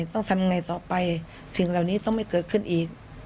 ต้องทำยังไงต่อไปสิ่งเหล่านี้ต้องไม่เกิดขึ้นอีก